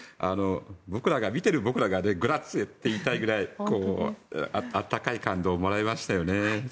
見ている僕らがグラッチェって言いたいくらい温かい感動をもらいましたよね。